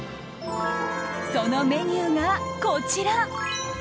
そのメニューがこちら。